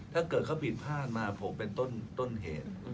ถ้าเกิดเขาผิดพลาดมาผมเป็นต้นเหตุ